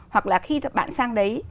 hoặc là khi bạn sang đấy